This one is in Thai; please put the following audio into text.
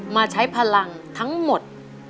มาใช้พลังทั้งหมด